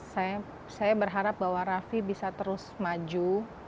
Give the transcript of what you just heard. saya berharap bahwa rafi bisa terus maju